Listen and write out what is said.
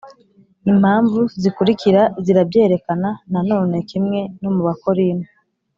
Impamvu zikurikira zirabyerekana Na none kimwe no mu Abakorinto,